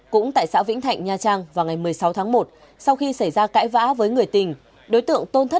cũng tại xã vĩnh thạnh nha trang vào ngày một mươi sáu tháng một sau khi xảy ra cãi vã với người tình